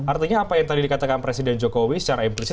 artinya apa yang tadi dikatakan presiden jokowi secara implisit